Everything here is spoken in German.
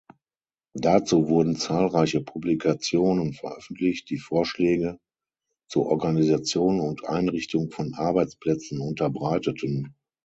Dazu wurden zahlreiche Publikationen veröffentlicht, die Vorschläge zur Organisation und Einrichtung von Arbeitsplätzen unterbreiteten.